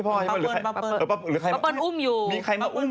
ป้าเปิ้ลอุ้มอยู่มีใครมาอุ้ม